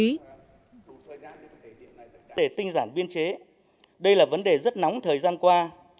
vấn đề tinh giản biên chế đây là vấn đề rất nóng thời gian qua